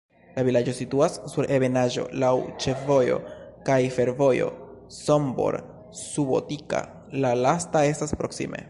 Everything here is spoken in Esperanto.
La vilaĝo situas sur ebenaĵo, laŭ ĉefvojo kaj fervojo Sombor-Subotica, la lasta estas proksime.